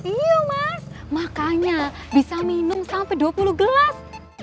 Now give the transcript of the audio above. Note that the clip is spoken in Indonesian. iya mas makanya bisa minum sampai dua puluh gelas